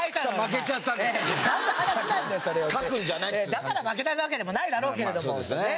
だから負けたわけでもないだろうけれども本当ね。